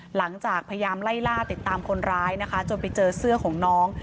หลังจากพยายามไล่ล่าติดตามคนร้ายนะคะจนไปเจอเสื้อของน้อง